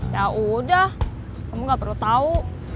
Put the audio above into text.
yaudah kamu gak perlu tau